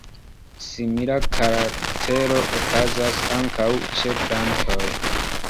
Simila karaktero okazas ankaŭ ĉe plantoj.